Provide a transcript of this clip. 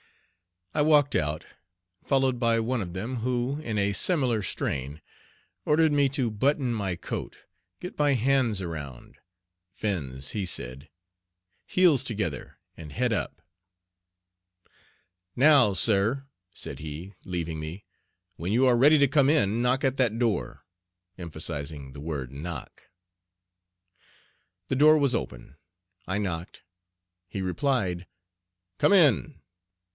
I walked out, followed by one of them, who, in a similar strain, ordered me to button my coat, get my hands around "fins" he said heels together, and head up. "Now, sir," said he, leaving me, "when you are ready to come in, knock at that door," emphasizing the word "knock." The door was open. I knocked. He replied, "Come in."